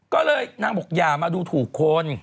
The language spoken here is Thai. ก็เลยนางบอกอย่ามาดูถูกคน